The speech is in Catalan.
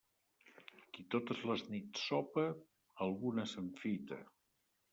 Qui totes les nits sopa, alguna s'enfita.